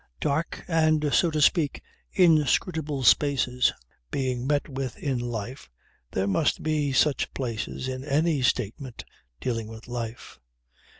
Dark and, so to speak, inscrutable spaces being met with in life there must be such places in any statement dealing with life.